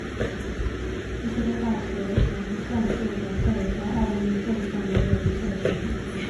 密歇根大学狼獾队的校友在奥运会上也有不错的成绩。